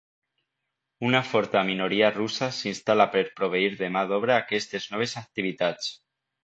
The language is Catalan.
Una forta minoria russa s'instal·la per proveir de mà d'obra aquestes noves activitats.